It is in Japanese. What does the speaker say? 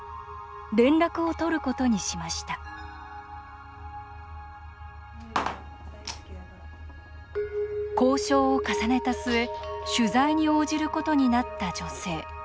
連絡を取ることにしました交渉を重ねた末取材に応じることになった女性。